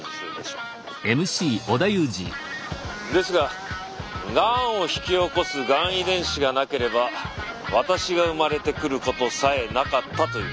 ですががんを引き起こすがん遺伝子がなければ私が生まれてくることさえなかったというんです。